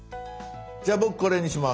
じゃあ僕これにします。